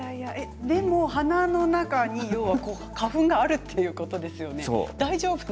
でも鼻の中に花粉があるということですよね